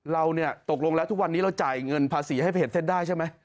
เราเนี่ยตกลงแล้วทุกวันนี้เราจ่ายเงินภาษีให้เพจเส้นได้ใช่ไหม